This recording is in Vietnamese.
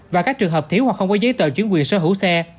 và các trường hợp thiếu hoặc không có giấy tờ chuyển quyền sở hữu xe